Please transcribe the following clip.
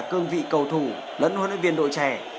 họ cũng là một vị cầu thủ lẫn huấn luyện viên đội trẻ